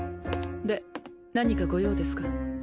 で何かご用ですか？